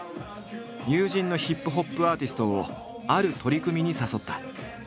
友人のヒップホップアーティストをある取り組みに誘った。